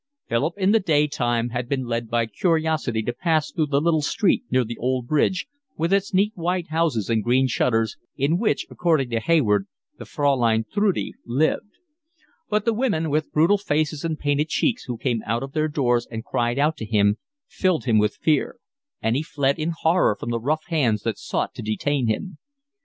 Philip in the daytime had been led by curiosity to pass through the little street near the old bridge, with its neat white houses and green shutters, in which according to Hayward the Fraulein Trude lived; but the women, with brutal faces and painted cheeks, who came out of their doors and cried out to him, filled him with fear; and he fled in horror from the rough hands that sought to detain him.